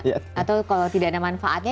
atau kalau tidak ada manfaatnya